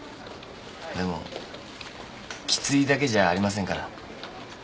でもきついだけじゃありませんから土木の仕事は。